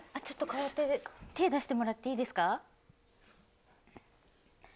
ちょっとこうやって手出してもらっていいですか？